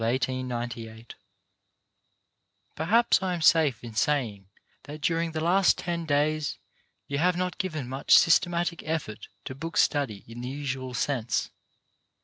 EDUCATION THAT EDUCATES* Perhaps I am safe in saying that during the last ten days you have not given much systematic effort to book study in the usual sense.